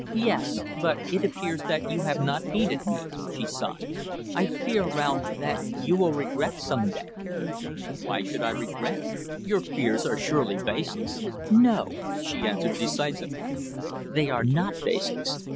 "Yes. But it appears that you have not heeded me," she sighed. "I fear, Ralph, that you will regret some day." "Why should I regret? Your fears are surely baseless." "No," she answered decisively. "They are not baseless.